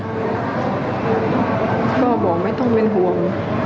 ก็บอกไม่ต้องเป็นห่วง